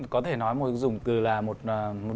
có thể nói dùng từ là một bức ảnh thanh ngàn lời nói